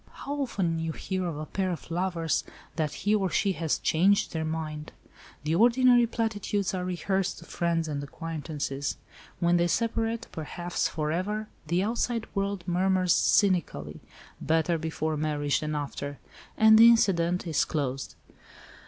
"How often you hear of a pair of lovers, that he or she has 'changed their mind.' The ordinary platitudes are rehearsed to friends and acquaintances. When they separate—perhaps for ever—the outside world murmurs cynically, 'better before marriage than after,' and the incident is closed."